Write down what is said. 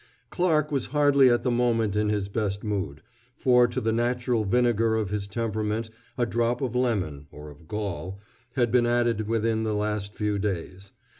Clarke was hardly at the moment in his best mood, for to the natural vinegar of his temperament a drop of lemon, or of gall, had been added within the last few days.